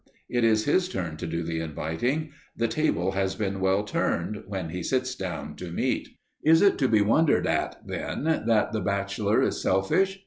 It is his turn to do the inviting. The table has been well turned when he sits down to meat! Is it to be wondered at, then, that the bachelor is selfish?